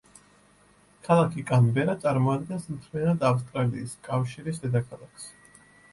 ქალაქი კანბერა წარმოადგენს მთლიანად ავსტრალიის კავშირის დედაქალაქს.